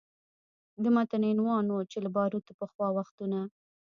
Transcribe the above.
د متن عنوان و چې له باروتو پخوا وختونه